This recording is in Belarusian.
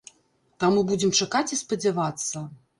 Таму будзем чакаць і спадзявацца.